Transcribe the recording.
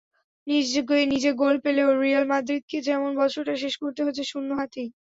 নিজে গোল পেলেও রিয়াল মাদ্রিদকে যেমন বছরটা শেষ করতে হচ্ছে শূন্য হাতেই।